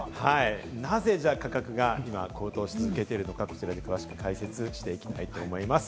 なぜ価格が高騰し続けているのか、こちらで詳しく解説していきます。